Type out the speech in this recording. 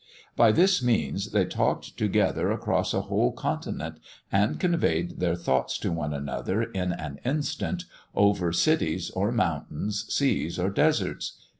By this means, they talked together across a whole continent, and conveyed their thoughts to one another, in an instant, over cities or mountains, seas or deserts....